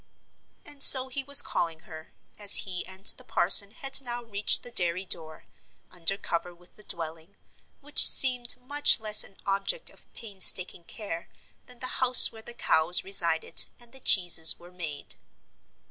And so he was calling her, as he and the parson had now reached the dairy door, under cover with the dwelling, which seemed much less an object of painstaking care than the house where the cows resided and the cheeses were made.